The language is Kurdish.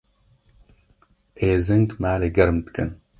Êzing malê germ dikin.